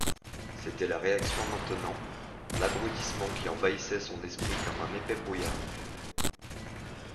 C'était la réaction maintenant, l'abrutissement qui envahissait son esprit comme un épais brouillard.